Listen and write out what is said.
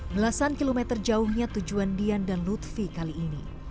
belasan kilometer jauhnya tujuan dian dan lutfi kali ini